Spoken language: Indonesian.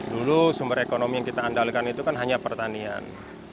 dulu sumber ekonomi yang kita andalkan itu kan hanya pertanian